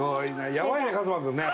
やばいね一翔君ね。